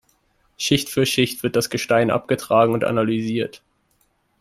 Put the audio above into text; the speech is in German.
Schicht für Schicht wird das Gestein abgetragen und analysiert.